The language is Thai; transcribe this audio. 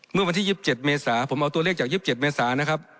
เมื่อวันที่๒๗เมษาผมเอาตัวเลขจาก๒๗เมษานะครับ